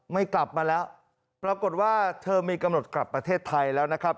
ไม่กลับมาแล้วปรากฏว่าเธอมีกำหนดกลับประเทศไทยแล้วนะครับ